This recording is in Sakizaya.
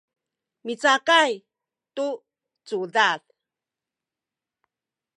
micakay tu cudad